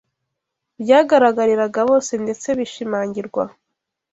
byagaragariraga bose ndetse bishimangirwa